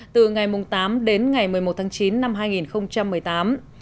từ ngày tám đến ngày một mươi một tháng chín năm hai nghìn một mươi tám